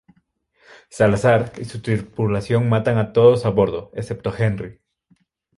Salazar y su tripulación matan a todos a bordo excepto a Henry.